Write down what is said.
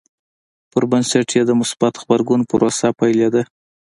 پر بنسټ یې د مثبت غبرګون پروسه پیلېده.